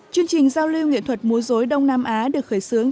chương trình giao lưu nghệ thuật múa dối đông nam á được khởi xướng